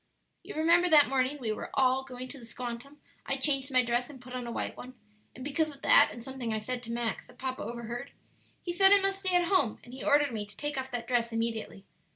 "You remember that morning we were all going to the 'squantum' I changed my dress and put on a white one, and because of that, and something I said to Max that papa overheard, he said I must stay at home; and he ordered me to take off that dress immediately.